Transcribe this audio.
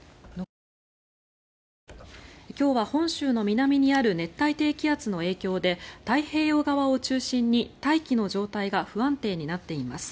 今日は本州の南にある熱帯低気圧の影響で太平洋側を中心に、大気の状態が不安定になっています。